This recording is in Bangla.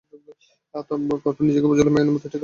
তারপর নিজেকে বোঝালাম, ঐ অনুভূতিটাকে পাত্তা না দেয়ার জন্য।